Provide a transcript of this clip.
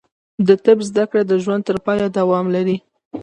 د طب زده کړه د ژوند تر پایه دوام لري.